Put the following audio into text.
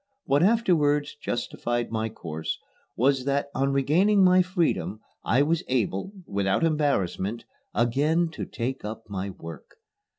What afterwards justified my course was that on regaining my freedom I was able, without embarrassment, again to take up my work.